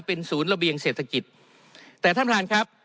เป็นศูนย์ระเบียงเศรษฐกิจแต่ท่านประธานครับ